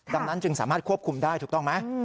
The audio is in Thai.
ดังนั้นจึงสามารถควบคุมได้ถูกต้องไหม